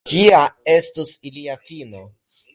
Kia estos ilia fino?